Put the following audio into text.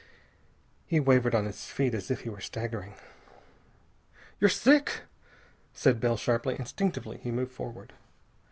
He wavered on his feet, as if he were staggering. "You're sick!" said Bell sharply. Instinctively he moved forward.